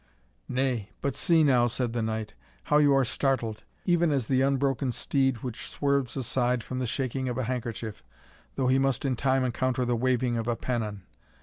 "Nay, but see now," said the knight, "how you are startled! even as the unbroken steed, which swerves aside from the shaking of a handkerchief, though he must in time encounter the waving of a pennon.